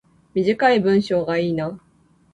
短い文章がいいな